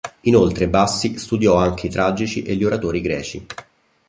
Inoltre Bassi studiò anche i tragici e gli oratori greci.